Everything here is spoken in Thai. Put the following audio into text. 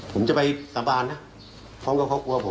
ผมจะไปสาบานนะ